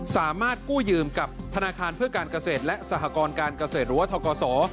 สามารถกู้ยืมกับธนาคารเพื่อการเกษตรและสหกรการเกษตรหรือว่าทกศ